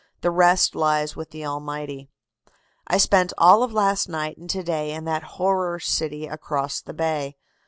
The rest lies with the Almighty. "I spent all of last night and to day in that horror city across the bay.